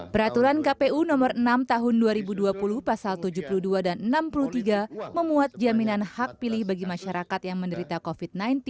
peraturan kpu nomor enam tahun dua ribu dua puluh pasal tujuh puluh dua dan enam puluh tiga memuat jaminan hak pilih bagi masyarakat yang menderita covid sembilan belas